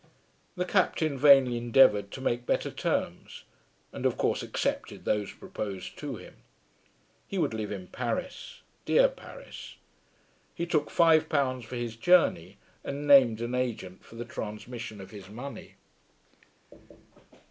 The Captain vainly endeavoured to make better terms, and of course accepted those proposed to him. He would live in Paris, dear Paris. He took five pounds for his journey, and named an agent for the transmission of his money.